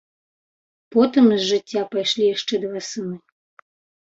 Потым з жыцця пайшлі яшчэ два сыны.